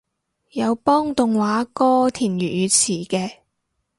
有幫動畫歌填粵語詞嘅